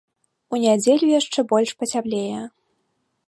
У нядзелю яшчэ больш пацяплее.